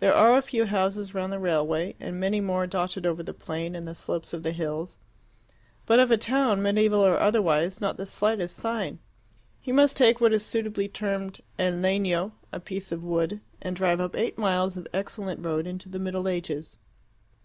There are a few houses round the railway, and many more dotted over the plain and the slopes of the hills, but of a town, mediaeval or otherwise, not the slightest sign. He must take what is suitably termed a "legno" a piece of wood and drive up eight miles of excellent road into the middle ages.